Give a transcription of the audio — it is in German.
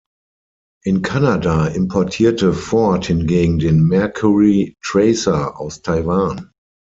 In Kanada importierte Ford hingegen den Mercury Tracer aus Taiwan.